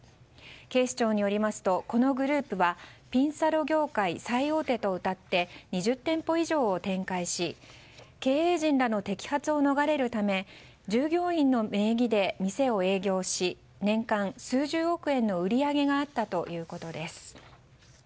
警視庁によりますとこのグループはピンサロ業界最大手とうたって２０店舗以上を展開し経営陣らの摘発を逃れるため従業員の名義で店を営業し年間数十億円の売り上げがあったということです。